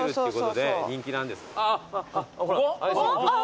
あっ。